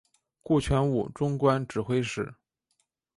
顾全武终官指挥使。